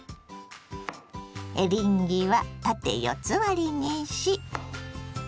エリンギは縦四つ割りにし。